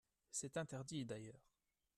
C’est interdit, d’ailleurs